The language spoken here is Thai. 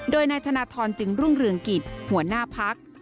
โดยนายธนทรจึงรุ่งเรืองกิจหัวหน้าพัก